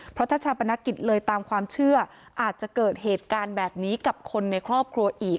เพราะถ้าชาปนกิจเลยตามความเชื่ออาจจะเกิดเหตุการณ์แบบนี้กับคนในครอบครัวอีก